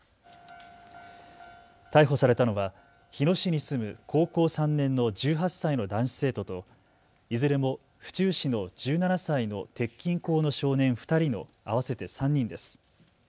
逮捕されたのは日野市に住む高校３年の１８歳の男子生徒といずれも府中市の１７歳の鉄筋工の少年２人の合わせて３人です。